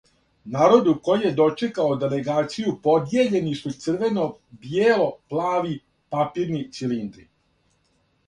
Народу који је дочекао делегацију подијељени су црвено-бијело-плави папирни цилиндри.